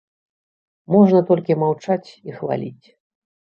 Можна толькі маўчаць і хваліць.